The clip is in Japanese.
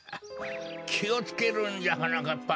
きをつけるんじゃはなかっぱ。